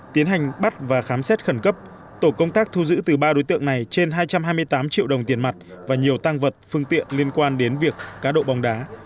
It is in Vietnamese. tiến hành bắt và khám xét khẩn cấp tổ công tác thu giữ từ ba đối tượng này trên hai trăm hai mươi tám triệu đồng tiền mặt và nhiều tăng vật phương tiện liên quan đến việc cá độ bóng đá